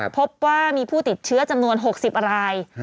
พบว่ามีผู้ติดเชื้อจำนวน๖๐ราย